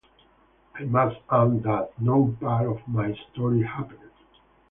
I must own that no part of my story happened.